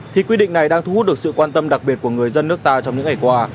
thì quy định này đang thu hút được sự quan tâm đặc biệt của người dân nước ta trong những ngày qua